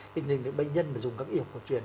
hình như những bệnh nhân mà dùng các y học cổ truyền